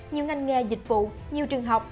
nhiều ngành nghề dịch vụ nhiều trường học